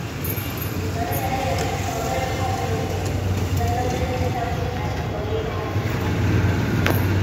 The Dinant area was already populated in Neolithic, Celtic, and Roman times.